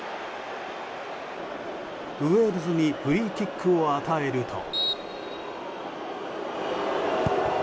ウェールズにフリーキックを与えると。